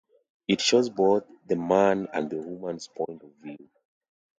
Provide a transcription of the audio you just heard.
It shows both the man and the woman's point of view.